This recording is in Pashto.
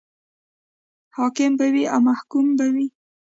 حاکم به وي او که محکوم به وي.